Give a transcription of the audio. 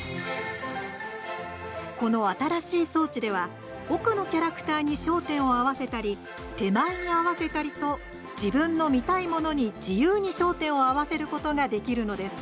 この新しい装置では奥のキャラクターに焦点を合わせたり手前に合わせたりと自分の見たいものに自由に焦点を合わせることができるのです。